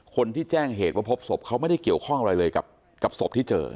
คนที่แจ้งเหตุว่าพบศพเขาไม่ได้เกี่ยวข้องอะไรเลยกับศพที่เจอ